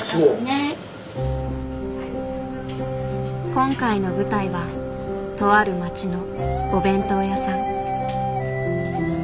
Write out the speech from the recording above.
今回の舞台はとある町のお弁当屋さん。